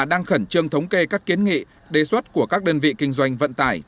đang khẩn trương thống kê các kiến nghị đề xuất của các đơn vị kinh doanh vận tải